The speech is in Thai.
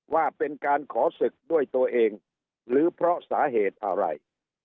ว่าเป็นการขอศึกด้วยตัวเองหรือเพราะสาเหตุอะไร